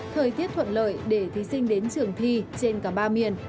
thời tiết thuận lợi để thí sinh đến trường thi trên cả ba miền